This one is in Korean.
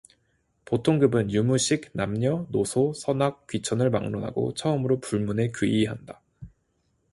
보통급은 유무식, 남녀, 노소, 선악, 귀천을 막론하고 처음으로 불문에 귀의한다.